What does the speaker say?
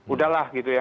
udah lah gitu ya